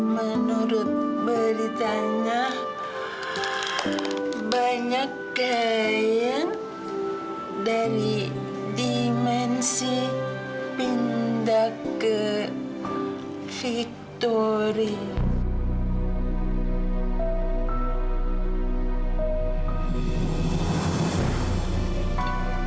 menurut beritanya banyak kaya dari dimensi pindah ke victoria